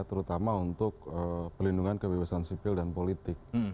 terutama untuk pelindungan kebebasan sipil dan politik